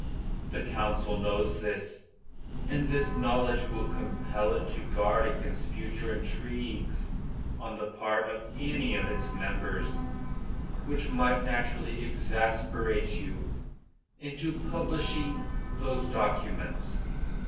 The Council knows this, and this knowledge will compel it to guard against further intrigues on the part of any of its members which might naturally exasperate you into publishing those documents.